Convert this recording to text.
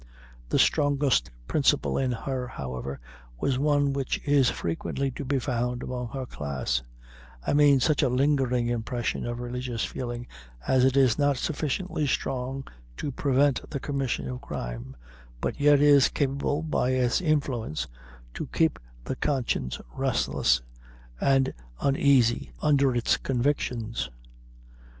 The strongest principle in her, however, was one which is frequently to be found among her class I mean such a lingering impression of religious feeling as is not sufficiently strong to prevent the commission of crime, but yet is capable by its influence to keep the conscience restless and uneasy under its convictions.